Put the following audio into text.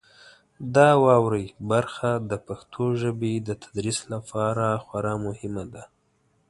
د واورئ برخه د پښتو ژبې د تدریس لپاره خورا مهمه ده.